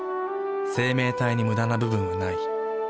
生命体にムダな部分はない。